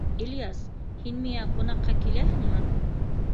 — Ильяс, һин миңә ҡунаҡҡа киләһеңме?